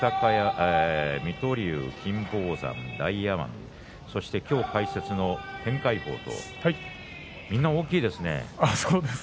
水戸龍、金峰山、大奄美そして解説の天鎧鵬とみんな大きいですね。